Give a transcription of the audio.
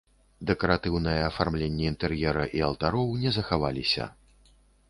Дэкаратыўнае афармленне інтэр'ера і алтароў не захаваліся.